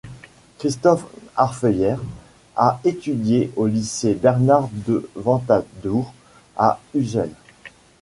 Christophe Arfeuillère a étudié au lycée Bernart-de-Ventadour à Ussel.